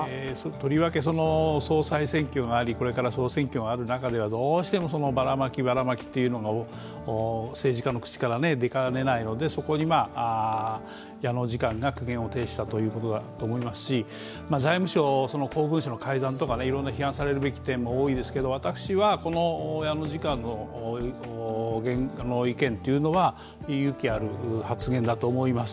とりわけ総裁選挙がありこれから総選挙がある中ではどうしてもバラマキ、バラマキというのが政治家の口から出かねないのでそこに矢野次官が苦言を呈したということだと思いますし、財務省、公文書の改ざんとか批判されるべき点も多いですけど私は、この矢野次官の意見というのは勇気ある発言だと思います。